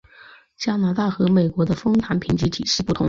加拿大和美国的枫糖评级体系不同。